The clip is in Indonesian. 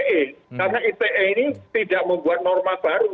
karena ite ini tidak membuat norma baru